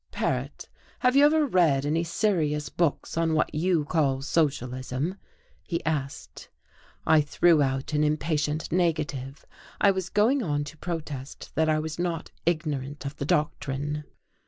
"Paret, have you ever read any serious books on what you call socialism?" he asked. I threw out an impatient negative. I was going on to protest that I was not ignorant of the doctrine.